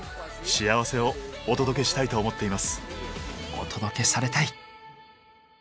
お届けされたい！